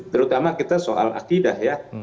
terutama kita soal akidah ya